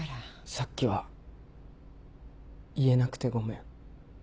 さっきは言えなくてごめん。